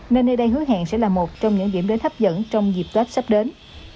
nên nơi đây hứa hẹn sẽ là một trong những điểm đến thấp dẫn trong dịp toát sắp đến